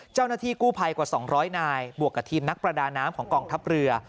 เจ้าหน้าที่กู้ภัยกว่า๒๐๐นายบวกกับทีมนักประดาน้ำของกองทัพเรือ